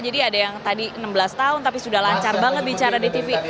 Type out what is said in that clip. jadi ada yang tadi enam belas tahun tapi sudah lancar banget bicara di tv